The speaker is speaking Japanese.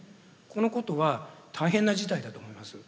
このことは大変な事態だと思いますよ。